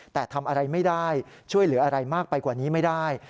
แต่ทำอะไรไม่ได้ช่วยเหลืออะไรมากไปกว่านี้ไม่ได้